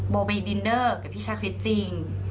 โบไปดินเดอร์กับพี่ชาคริสจริง